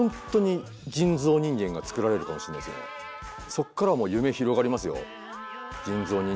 そっからはもう夢広がりますよ。